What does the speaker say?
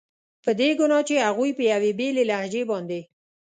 په دې ګناه چې هغوی په یوې بېلې لهجې باندې.